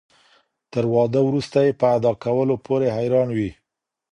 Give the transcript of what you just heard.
تر واده وروسته يي په ادا کولو پوري حيران وي